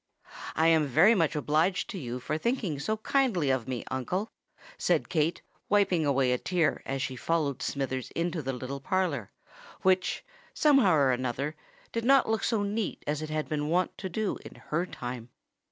"I am very much obliged to you for thinking so kindly of me, uncle," said Kate, wiping away a tear, as she followed Smithers into the little parlour, which, somehow or another, did not look so neat as it had been wont to do in her time.